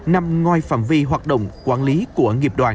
nằm ngoài phạm vi hoạt động quản lý của nghiệp đoàn